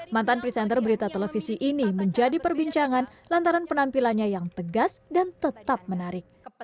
mantan presenter berita televisi ini menjadi perbincangan lantaran penampilannya yang tegas dan tetap menarik